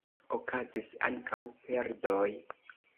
Okazis ankaŭ perdoj.